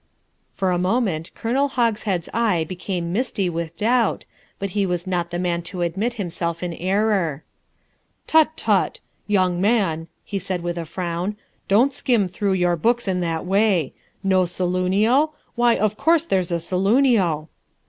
For a moment Colonel Hogshead's eye became misty with doubt, but he was not the man to admit himself in error: "Tut, tut! young man," he said with a frown, "don't skim through your books in that way. No Saloonio? Why, of course there's a Saloonio!"